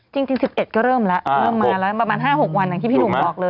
จริง๑๑ก็เริ่มแล้วเริ่มมาแล้วประมาณ๕๖วันอย่างที่พี่หนุ่มบอกเลย